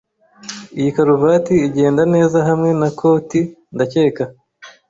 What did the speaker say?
Iyi karuvati igenda neza hamwe na koti, ndakeka.